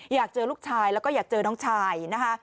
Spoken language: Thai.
อยากเจอลูกชายแล้วก็อยากเจอน้องชายนะคะ